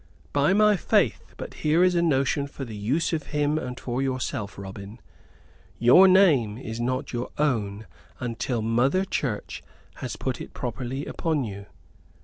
By my faith, but here is a notion for the use of him and for yourself, Robin. Your name is not your own until Mother Church has put it properly upon you.